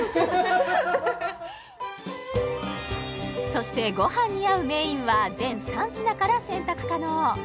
そしてご飯に合うメインは全３品から選択可能